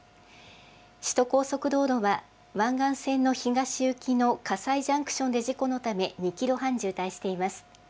首都高速道路は湾岸線の東行きの葛西ジャンクションで事故のため、２キロ半渋滞しています。